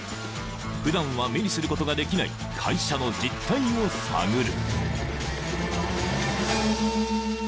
［普段は目にすることができない会社の実態を探る］